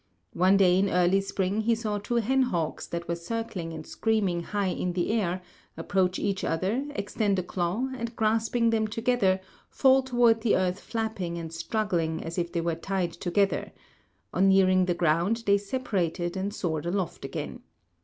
One day in early spring he saw two hen hawks that were circling and screaming high in air, approach each other, extend a claw, and grasping them together, fall toward the earth flapping and struggling as if they were tied together; on nearing the ground they separated and soared aloft again.